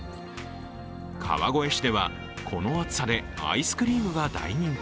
川越市ではこの暑さでアイスクリームが大人気。